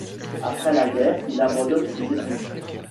Après la guerre, il abandonne ses études.